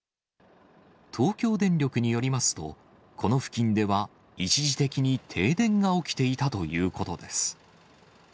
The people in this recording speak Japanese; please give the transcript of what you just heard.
東京電力によりますと、この付近では一時的に停電が起きていたということです。